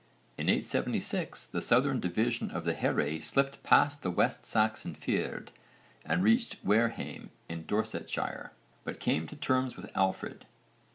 In 876 the southern division of the here slipped past the West Saxon fyrd and reached Wareham in Dorsetshire, but came to terms with Alfred.